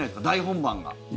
大本番が。